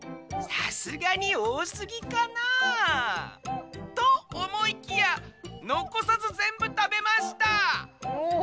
さすがにおおすぎかなとおもいきやのこさずぜんぶたべました。